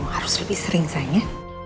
harus lebih sering sayang ya